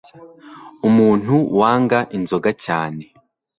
umuntu wanga inzoga cyane